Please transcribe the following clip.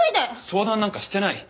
相談なんかしてない。